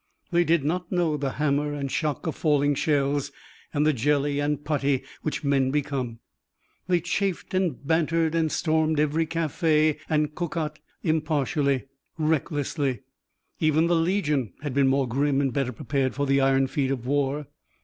They did not know the hammer and shock of falling shells and the jelly and putty which men became. They chafed and bantered and stormed every café and cocotte impartially, recklessly. Even the Legion had been more grim and better prepared for the iron feet of war.